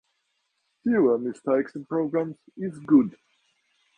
fewer mistakes in programs is good!